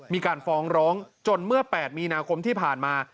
มีการฟ้องร้องจนเมื่อ๘มีนาคมที่ผ่านมา